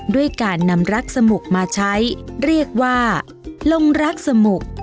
ด้วยการนำรักสมุกมาใช้เรียกว่าลงรักสมุก